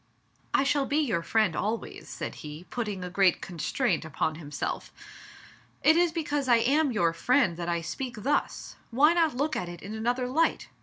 "I shall be your friend always," said he, putting a great constraint upon himself. "It is because I am your friend that I speak thus ; why not look at it in another light?